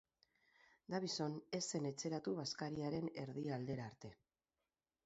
Davidson ez zen etxeratu bazkariaren erdi aldera arte.